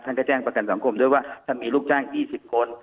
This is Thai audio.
ท่านก็แจ้งประกันสังคมด้วยว่าท่านมีลูกจ้าง๒๐คน